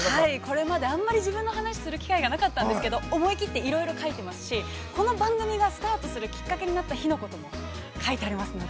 これまであんまり自分の話する機会がなかったんですけど、思い切っていろいろ書いてますし、この番組がスタートするきっかけになった日のことも書いてありますので。